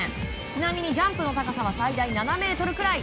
ちなみにジャンプの高さは最大７ｍくらい。